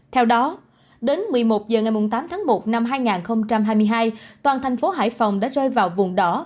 theo đó đến một mươi một h ngày tám tháng một năm hai nghìn hai mươi hai toàn thành phố hải phòng đã rơi vào vùng đỏ